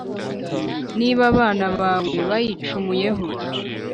niba abana bawe bayicumuyeho,